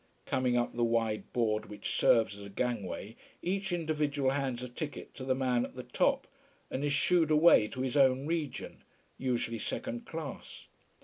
Coming up the wide board which serves as gangway each individual hands a ticket to the man at the top, and is shooed away to his own region usually second class.